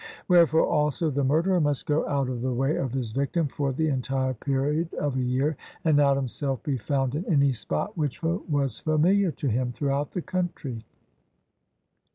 Wherefore also the murderer must go out of the way of his victim for the entire period of a year, and not himself be found in any spot which was familiar to him throughout the country.